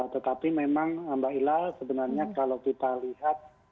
tetapi memang mbak hilal sebenarnya kalau kita lihat